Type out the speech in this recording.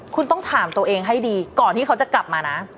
คุณต้องถามตัวเองให้ดีก่อนที่เขาจะกลับมานะ